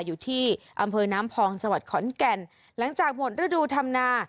อยู่ที่อำเภอน้ำพองจังหวัดขอนแก่นหลังจากหมดฤดูธรรมนา